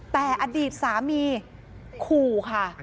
แต่อดีตสามีขู่ค่ะ